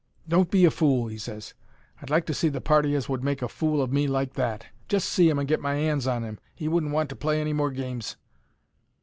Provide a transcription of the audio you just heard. "Don't be a fool," he ses. "I'd like to see the party as would make a fool of me like that. Just see 'im and get my 'ands on him. He wouldn't want to play any more games."